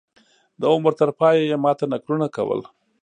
د عمر تر پایه یې ما ته نکلونه کول.